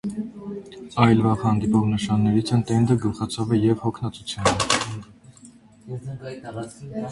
Այլ վաղ հանդիպող նշաններից են տենդը, գլխացավը և հոգնածությունը։